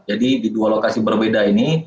jadi di dua lokasi berbeda ini